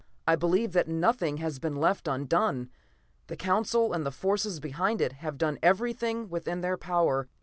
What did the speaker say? I believe that nothing has been left undone. The Council and the forces behind it have done everything within their power.